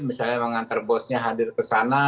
misalnya mengantar bosnya hadir kesana